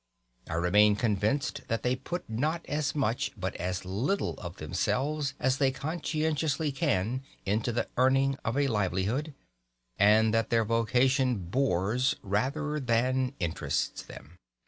I remain convinced that they put not as much but as little of themselves as they conscientiously can into the earning of a livelihood, and that their vocation bores rather than interests them.